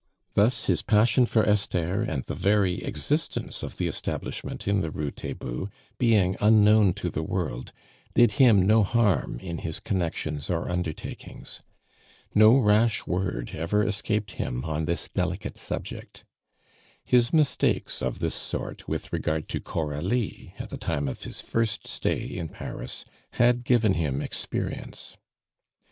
Thus his passion for Esther and the very existence of the establishment in the Rue Taitbout, being unknown to the world, did him no harm in his connections or undertakings. No rash word ever escaped him on this delicate subject. His mistakes of this sort with regard to Coralie, at the time of his first stay in Paris, had given him experience.